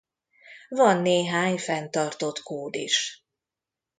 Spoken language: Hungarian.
Van néhány fenntartott kód is.